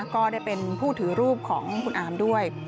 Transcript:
ก็ได้เป็นผู้ถือรูปของคุณอามด้วย